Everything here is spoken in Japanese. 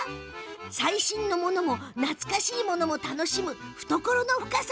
最新のものも懐かしいものも楽しむ懐の深さ。